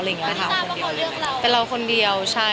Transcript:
เป็นเราคนเดียวใช่ไหมคะเป็นเราคนเดียวใช่ค่ะ